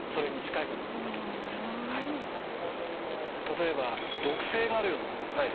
例えば毒性があるようなものですね